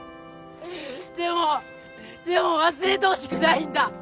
でもでも忘れてほしくないんだ！